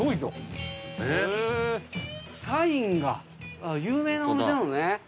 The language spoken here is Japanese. サインが有名なお店なのね。